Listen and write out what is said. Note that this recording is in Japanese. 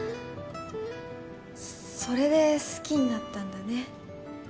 それで好きになったんだね。